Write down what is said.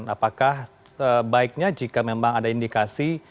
apakah baiknya jika memang ada indikasi